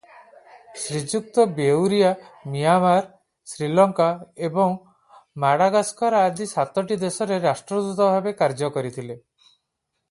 ଶ୍ରୀଯୁକ୍ତ ବେଉରିଆ ମିଆଁମାର, ଶ୍ରୀଲଙ୍କା ଏବଂ ମାଡାଗାସ୍କର ଆଦି ସାତଟି ଦେଶରେ ରାଷ୍ଟ୍ରଦୂତ ଭାବେ କାର୍ଯ୍ୟ କରିଥିଲେ ।